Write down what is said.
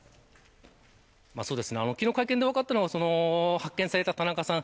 昨日、会見で分かったのは発見された田中さん